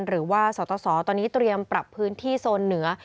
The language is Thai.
สตสตอนนี้เตรียมปรับพื้นที่โซนเหนือ